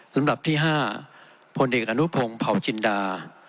ลำดับที่๕พลเอกอนุพงศ์เผาจินดา